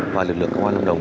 và lực lượng công an lâm đồng